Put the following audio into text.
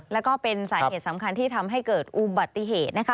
แล้วก็เป็นสาเหตุสำคัญที่ทำให้เกิดอุบัติเหตุนะคะ